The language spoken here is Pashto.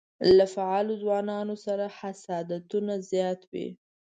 له فعالو ځوانانو سره حسادتونه زیات وي.